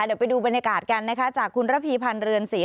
เดี๋ยวไปดูบรรยากาศกันนะคะจากคุณระพีพันธ์เรือนศรี